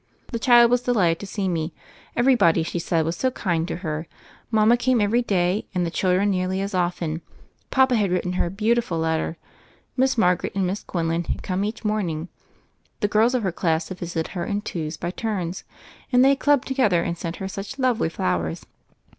The child was delighted to see me; every body, she said, was so kind to her; mama came every day, and the children nearly as often; papa had written her a beautiful letter; Miss Margaret and Miss Quinlan had come each morning; the girls of her class had visited her in twos by turns, and they had clubbed together and sent her such lovely flowers.